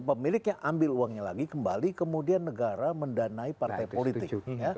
pemiliknya ambil uangnya lagi kembali kemudian negara mendanai partai politik